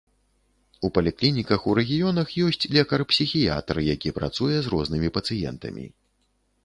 У паліклініках у рэгіёнах ёсць лекар-псіхіятр, які працуе з рознымі пацыентамі.